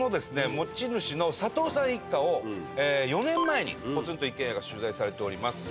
持ち主の佐藤さん一家を４年前に『ポツンと一軒家』が取材されております。